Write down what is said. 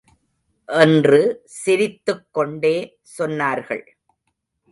என்று சிரித்துக் கொண்டே சொன்னார்கள்.